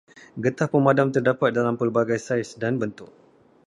Getah pemadam terdapat dalam pelbagai saiz dan bentuk.